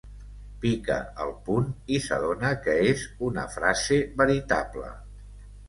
Pica el punt i s'adona que és una frase veritable.